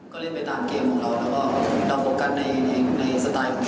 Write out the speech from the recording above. ก็เล่นไปตามเกมของเราแล้วก็เราโฟกัสในสไตล์ของเขา